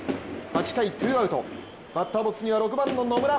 ８回ツーアウト、バッターボックスには６番の野村。